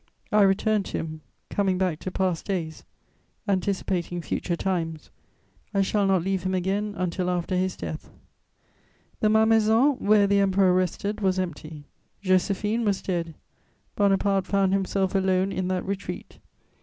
I return to him: coming back to past days, anticipating future times, I shall not leave him again until after his death. The Malmaison, where the Emperor rested, was empty. Joséphine was dead; Bonaparte found himself alone in that retreat.